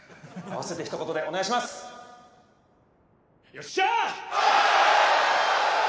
よっしゃ！